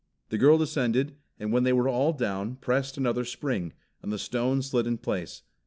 The girl descended, and when they were all down, pressed another spring, and the stone slid in place.